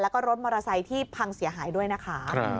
แล้วก็รถมอเตอร์ไซค์ที่พังเสียหายด้วยนะคะ